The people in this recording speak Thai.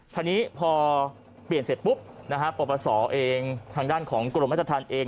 ทีนี้พอเปลี่ยนเสร็จปุ๊บนะฮะปรปศเองทางด้านของกรมราชธรรมเอง